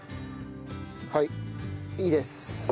はいいいです。